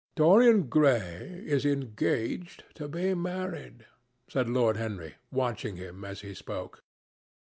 "Dorian Gray is engaged to be married," said Lord Henry, watching him as he spoke.